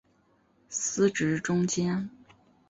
司职中坚。